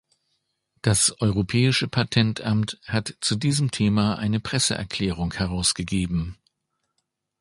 Das Europäische Patentamt hat zu diesem Thema eine Presseerklärung herausgegeben.